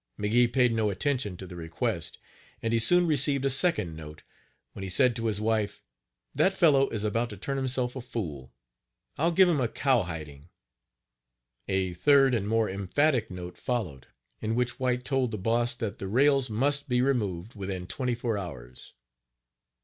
McGee paid no attention to the request, and he soon received a second note, when he said to his wife: " That fellow is about to turn himself a fool I'll give him a cow hiding." A third and Page 56 more emphatic note followed, in which White told the Boss that the rails must be removed within twenty four hours.